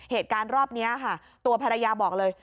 เหตุการณ์รอบนี้ค่ะตัวภรรยาบอกเลย